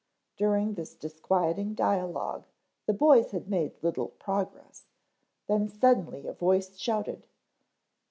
During this disquieting dialogue the boys had made little progress, then suddenly a voice shouted.